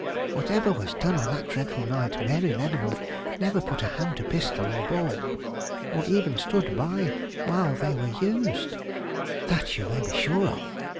whatever was done on that dreadful night, Mary Leavenworth never put hand to pistol or ball, or even stood by while they were used; that you may be sure of.